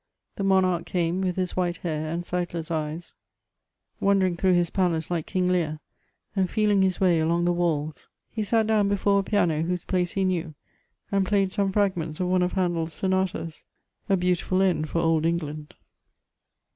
The monarch came, with his white hair and sightless eyes, wandering through his palace like King Lear, and feeling his way along the walls. He sat down before a piano, whose place he knew, and played some fragments of one of Handel's sonatas : a beautiful end for Old England !